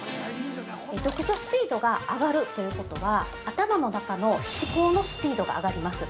読書スピードが上がるということは、頭の中の思考のスピードが上がります。